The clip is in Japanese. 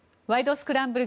スクランブル」